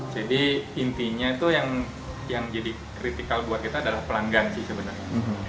jadi intinya itu yang menjadi kritikal buat kita adalah pelanggan sih sebenarnya